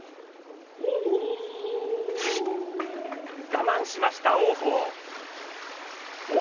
我慢しました王鵬。